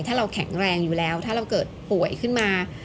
ถ้าเราแข็งแรงอยู่แล้วถ้าเราเกิดป่วยขึ้นมา